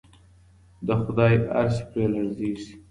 د خدای عرش پرې لړزیږي.